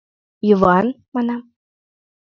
Йыван!» — манам.